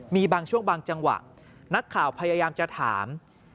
มีบางช่วงบางจังหวะนักข่าวพยายามจะถาม